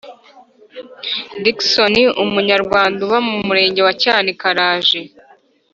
Dickson Umunyarwanda uba mu Murenge wa cyanika araje.